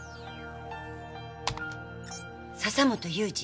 笹本祐二